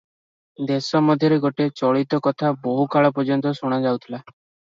ଦେଶ ମଧ୍ୟରେ ଗୋଟିଏ ଚଳିତ କଥା ବହୁକାଳ ପର୍ଯ୍ୟନ୍ତ ଶୁଣା ଯାଉଥିଲା